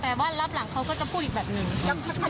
แต่ว่ารับหลังเขาก็จะพูดอีกแบบหนึ่ง